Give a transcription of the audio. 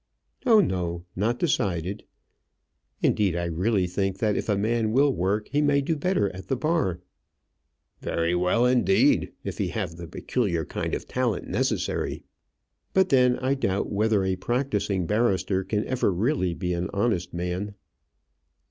"Oh, no; not decided. Indeed, I really think that if a man will work, he may do better at the bar." "Very well, indeed if he have the peculiar kind of talent necessary." "But then, I doubt whether a practising barrister can ever really be an honest man."